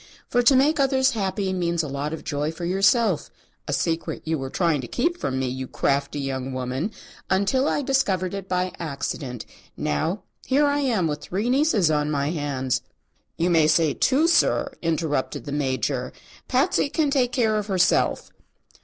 For to make others happy means a lot of joy for yourself a secret you were trying to keep from me, you crafty young woman, until I discovered it by accident. Now, here I am with three nieces on my hands " "You may say two, sir," interrupted the Major. "Patsy can take care of herself."